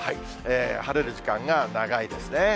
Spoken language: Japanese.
晴れる時間が長いですね。